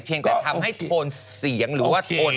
ยังแต่ทำให้โทนเสียงหรือว่าโทน